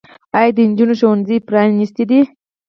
آیا د نجونو ښوونځي پرانیستي دي؟